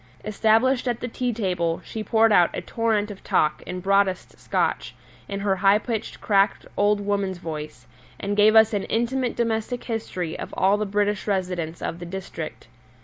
Established at the tea table, she poured out a torrent of talk in broadest Scotch, in her high pitched cracked old woman's voice, and gave us an intimate domestic history of all the British residents of the district.